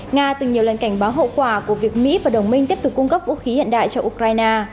nga từng nhiều lần cảnh báo hậu quả của việc mỹ và đồng minh tiếp tục cung cấp vũ khí hiện đại cho ukraine